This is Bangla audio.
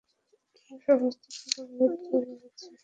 আমার সমস্ত দিক অবরুদ্ধ হয়ে আছে।